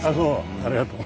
ありがとう。